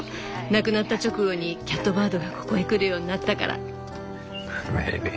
亡くなった直後にキャットバードがここへ来るようになったから。